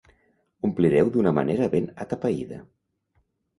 Omplireu d'una manera ben atapeïda.